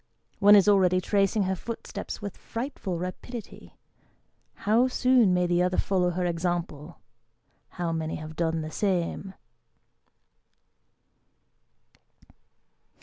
One is already tracing her footsteps with frightful rapidity. How soon may the other follow her example? How many have done the same